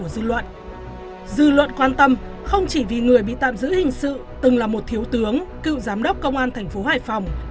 dư luận quan tâm không chỉ vì người bị tạm giữ hình sự từng là một thiếu tướng cựu giám đốc công an thành phố hải phòng